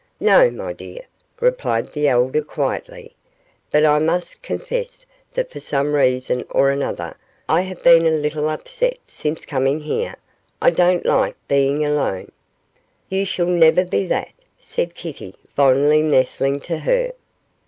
'No, my dear,' replied the elder, quietly, 'but I must confess that for some reason or another I have been a little upset since coming here; I don't like being alone.' 'You shall never be that,' said Kitty, fondly nestling to her.